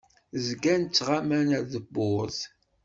Zgan ttɣaman ar tewwurt.